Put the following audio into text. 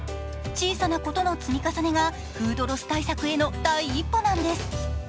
小さなことの積み重ねがフードロス対策への第一歩なんです。